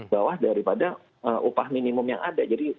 bawah daripada upah minimum yang ada